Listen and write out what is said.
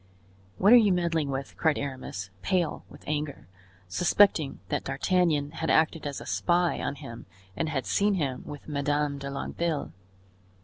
"What are you meddling with?" cried Aramis, pale with anger, suspecting that D'Artagnan had acted as a spy on him and had seen him with Madame de Longueville.